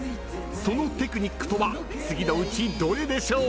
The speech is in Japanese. ［そのテクニックとは次のうちどれでしょう？］